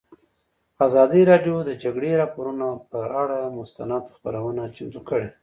ازادي راډیو د د جګړې راپورونه پر اړه مستند خپرونه چمتو کړې.